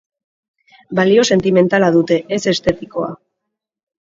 Balio sentimentala dute, ez estetikoa.